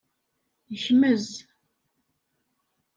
Yekmez.